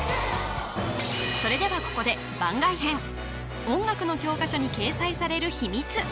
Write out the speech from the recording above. それではここで番外編音楽の教科書に掲載される秘密